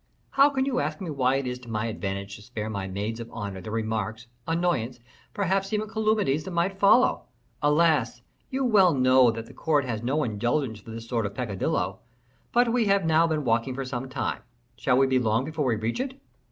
"How can you ask me why it is to my advantage to spare my maids of honor the remarks, annoyances, perhaps even calumnies, that might follow? Alas! you well know that the court has no indulgence for this sort of peccadillo. But we have now been walking for some time, shall we be long before we reach it?"